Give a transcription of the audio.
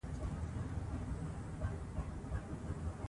د سالمې کورنۍ د مور په پوهه جوړیږي.